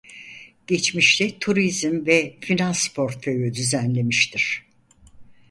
Geçmişte Turizm ve Finans portföyü düzenlemiştir.